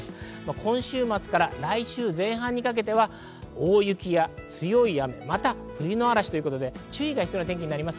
今週末から来週前半にかけては大雪や強い雨、また冬の嵐と注意が必要な天気になります。